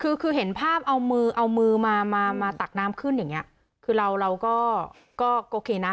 คือคือเห็นภาพเอามือเอามือมามาตักน้ำขึ้นอย่างเงี้ยคือเราเราก็โอเคนะ